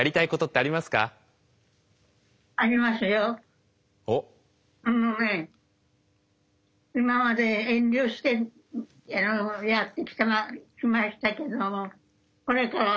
あのね今まで遠慮してやってきましたけどもこれからはお！